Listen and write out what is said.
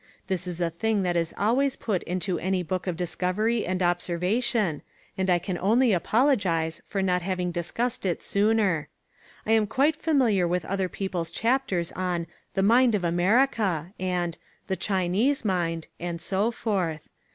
This is a thing that is always put into any book of discovery and observation and I can only apologise for not having discussed it sooner. I am quite familiar with other people's chapters on "The Mind of America," and "The Chinese Mind," and so forth.